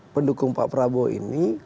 pendukung pak prabowo ini